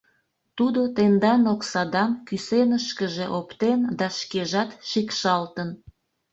Тудо тендан оксадам кӱсенышкыже оптен да шкежат шикшалтын.